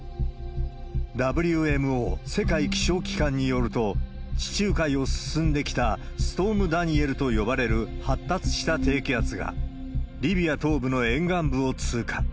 ＷＭＯ・世界気象機関によると、地中海を進んできたストームダニエルと呼ばれる発達した低気圧が、リビア東部の沿岸部を通過。